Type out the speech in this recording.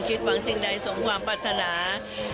หวังสิ่งใดสมความปรารถนา